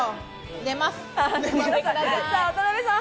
寝ます。